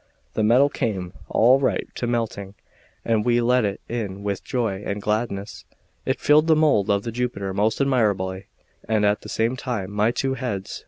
The metal came all right to melting, and we let it in with joy and gladness; it filled the mould of the Jupiter most admirably, and at the same time my two heads.